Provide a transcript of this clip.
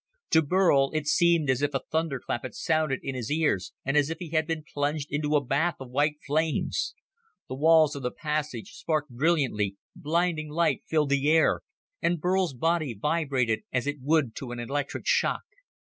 To Burl it seemed as if a thunderclap had sounded in his ears, and as if he had been plunged into a bath of white flames. The walls of the passage sparked brilliantly, blinding light filled the air, and Burl's body vibrated as it would to an electric shock.